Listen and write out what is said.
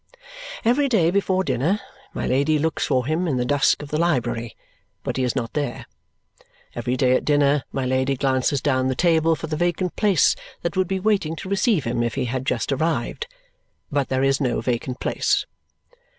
Every day before dinner, my Lady looks for him in the dusk of the library, but he is not there. Every day at dinner, my Lady glances down the table for the vacant place that would be waiting to receive him if he had just arrived, but there is no vacant place.